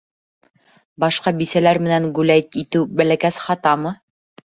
Башҡа бисәләр менән гүләйт итеү бәләкәс хатамы?